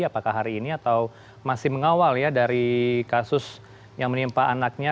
apakah hari ini atau masih mengawal ya dari kasus yang menimpa anaknya